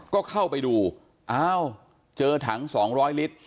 ก็เข้าไปดูอ้าวเจอถัง๒๐๐ลิตร